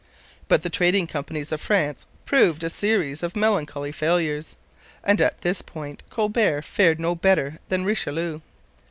But the trading companies of France proved a series of melancholy failures, and at this point Colbert fared no better than Richelieu.